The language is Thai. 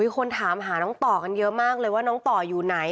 คนถามหาน้องต่อกันเยอะมากเลยว่าน้องต่ออยู่ไหน